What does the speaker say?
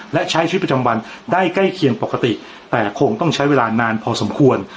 และใช้ชีวิตประจำวันได้ใกล้เคียงปกติแต่คงต้องใช้เวลานานพอสมควร